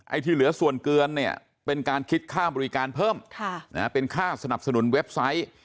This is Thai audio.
ที่เหลือส่วนเกินเนี่ยเป็นการคิดค่าบริการเพิ่มเป็นค่าสนับสนุนเว็บไซต์